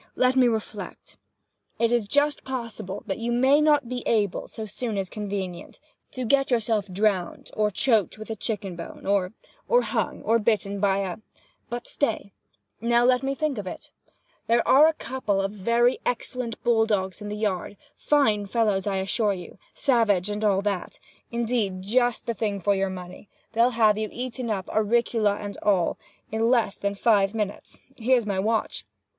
Let me reflect! It is just possible that you may not be able, so soon as convenient, to—to—get yourself drowned, or—choked with a chicken bone, or—or hung,—or—bitten by a—but stay! Now I think me of it, there are a couple of very excellent bull dogs in the yard—fine fellows, I assure you—savage, and all that—indeed just the thing for your money—they'll have you eaten up, auricula and all, in less than five minutes (here's my watch!)